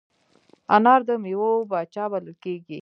انار د میوو پاچا بلل کېږي.